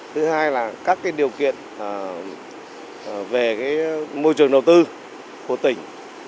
thứ hai là các điều kiện về môi trường đầu tư của tỉnh